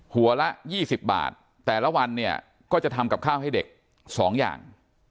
หัวละ๒๐บาทแต่ละวันเนี่ยก็จะทำกับข้าวให้เด็ก๒อย่าง